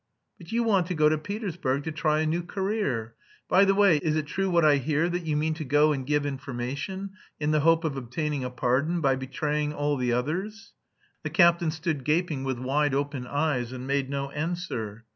"But you want to go to Petersburg to try a new career. By the way, is it true what I hear, that you mean to go and give information, in the hope of obtaining a pardon, by betraying all the others?" The captain stood gaping with wide open eyes, and made no answer.